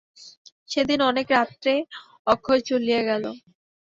সেদিন অনেক রাত্রে অক্ষয় চলিয়া গেল।